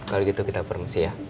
kalau gitu kita permisi ya